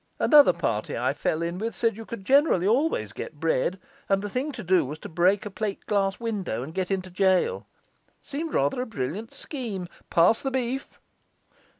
Another party I fell in with said you could generally always get bread; and the thing to do was to break a plateglass window and get into gaol; seemed rather a brilliant scheme. Pass the beef.